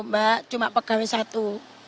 mbak cuma pegawai satu